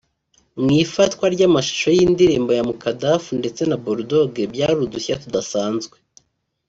Mu ifatwa ry’amashusho y’ indirimbo ya Mukadaff ndetse na Bul Dog byari udushya tudasanzwe